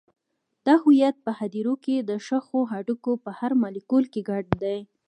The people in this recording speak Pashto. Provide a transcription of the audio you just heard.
دا هویت په هدیرو کې د ښخو هډوکو په هر مالیکول کې ګډ دی.